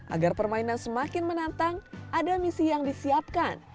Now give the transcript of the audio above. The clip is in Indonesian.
agar permainan semakin menantang ada misi yang disiapkan